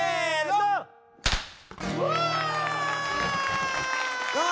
うわ！